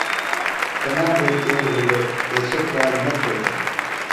کنا بھےۡ تیر بِھلوۡ ایسوۡ کال نہ کھوجہ۔